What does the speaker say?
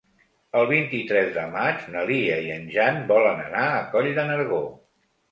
El vint-i-tres de maig na Lia i en Jan volen anar a Coll de Nargó.